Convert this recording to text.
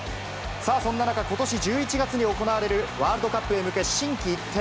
さあ、そんな中、ことし１１月に行われるワールドカップへ向け、心機一転。